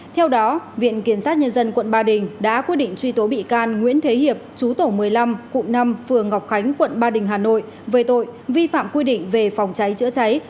theo đó viện kiểm sát nhân dân quận ba đình đã quyết định truy tố bị can nguyễn thế hiệp chú tổ một mươi năm cụm năm phường ngọc khánh quận ba đình hà nội về tội vi phạm quy định về phòng cháy chữa cháy